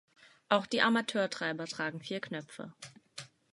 Auch die Amateurtreiber tragen vier Knöpfe.